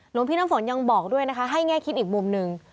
หลวงพี่น้ำฝนยังบอกด้วยนะคะให้แง่คิดอีกมุมหนึ่ง